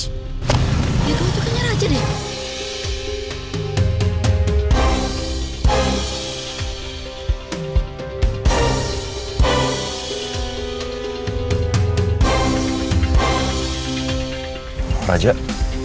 ya kan kamu juga nyerah aja deh